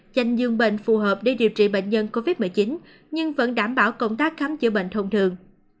dành riêng bệnh phù hợp để điều trị bệnh nhân covid một mươi chín nhưng vẫn đảm bảo công tác khám chữa bệnh thông thường